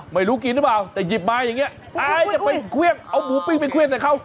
ไม่รู้กินหรือเปล่าแต่หยิบมาอย่างนี้อายจะไปเครื่องเอาหมูปิ้งไปเครื่องใส่เขา